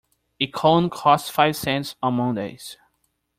A cone costs five cents on Mondays.